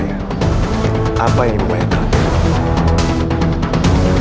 pak bayu jadilah kastausah sama saya